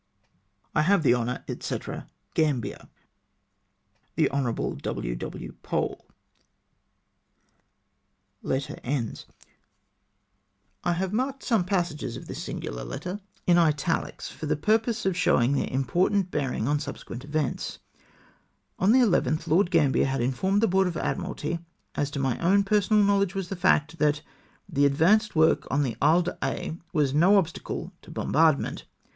" I have the honom , &c. " GrAMBIER. " The Hon. W. W. Pole." I have marked some passages of this singular letter 352 THE ISLE D AIX. in italics, for the purpose of showing their important bearing on subsequent events. On the 11th Lord Gambier had informed the Board of AdmiraUy — as to my own personal knowledge was the fact — that " the advanced work on the Isle d'Aix was no obstacle to bombardment.'''